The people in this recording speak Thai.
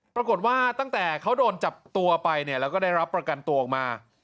ปรากฏว่าตั้งแต่เขาโดนจับตัวไปเนี่ยแล้วก็ได้รับประกันตัวออกมา